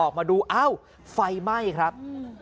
ออกมาดูเอ้าไฟไหม้ครับ